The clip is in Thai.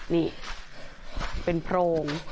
นี่เป็นโพรง